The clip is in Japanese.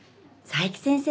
冴木先生